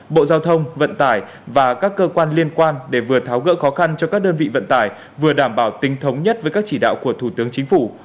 bộ giao thông vận tải và các cơ quan liên quan để vừa tháo gỡ khó khăn cho các đơn vị vận tải vừa đảm bảo tính thống nhất với các chỉ đạo của thủ tướng chính phủ